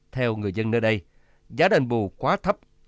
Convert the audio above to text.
theo người dân nơi đây giá đền bù quá thấp